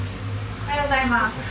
おはようございます。